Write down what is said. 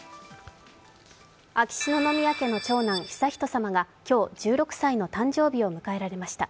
秋篠宮家の長男・悠仁さまが今日、１６歳の誕生日を迎えられました。